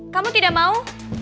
kamu tidak mau